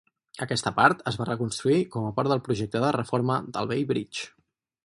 Aquesta part es va reconstruir com a part del projecte de reforma del Bay Bridge.